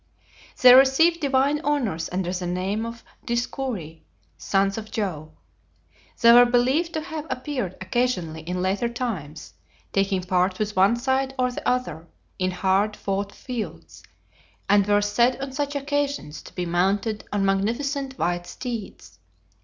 They received divine honors under the name of Dioscuri (sons of Jove). They were believed to have appeared occasionally in later times, taking part with one side or the other, in hard fought fields, and were said on such occasions to be mounted on magnificent white steeds.